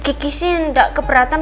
kiki sih gak keberatan